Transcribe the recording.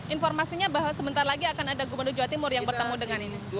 informasinya bahwa sebentar lagi akan ada gubernur jawa timur yang bertemu dengan ini